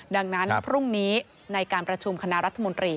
ดังนั้นพรุ่งนี้ในการประชุมคณะรัฐมนตรี